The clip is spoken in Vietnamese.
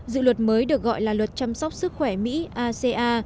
dự luật mới được gọi là luật chăm sóc sức khỏe mỹ aca